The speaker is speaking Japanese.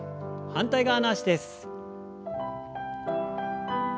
反対側の脚です。